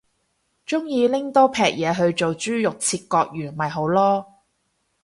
鍾意拎刀劈嘢去做豬肉切割員咪好囉